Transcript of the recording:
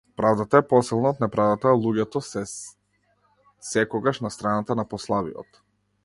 Правдата е посилна од неправдата, а луѓето се секогаш на страната на послабиот.